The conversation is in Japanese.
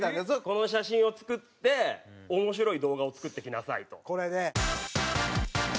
この写真を作って面白い動画を作ってきなさいと。